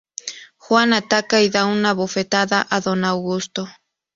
Juan ataca y da una bofetada a Don Augusto.